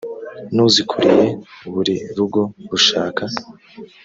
n uzikuriye buri rugo rushaka